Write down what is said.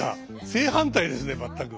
正反対ですね全く。